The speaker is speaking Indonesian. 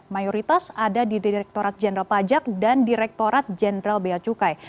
mayoritas ada di direktorat jenderal pajak dan direktorat jenderal bea cukai